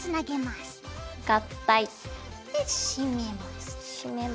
しめます。